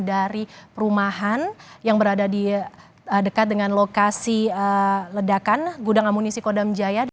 dari perumahan yang berada di dekat dengan lokasi ledakan gudang amunisi kodam jaya